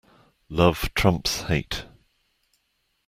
Love trumps hate.